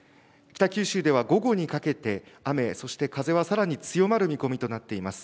北九州では午後にかけて雨、そして風はさらに強まる見込みとなっています。